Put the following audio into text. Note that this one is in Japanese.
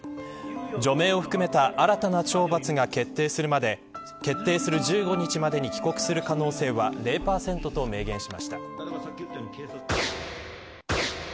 除名を含めた新たな懲罰が決定する１５日までに帰国する可能性は０％と明言しました。